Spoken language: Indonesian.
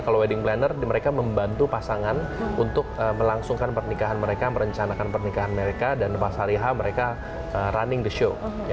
kalau wedding planner mereka membantu pasangan untuk melangsungkan pernikahan mereka merencanakan pernikahan mereka dan pas hari h mereka running the show